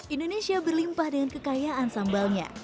indonesia berlimpah dengan kekayaan sambalnya